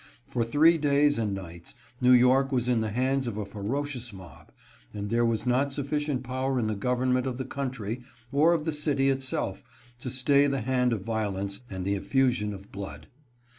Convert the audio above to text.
For three days and nights New York was in the hands of a ferocious mob, and there was not sufficient power in the government of the country or oi the city itself to stay the hand of violence and the ef fusion of blood.